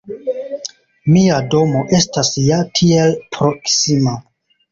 Mia domo estas ja tiel proksima!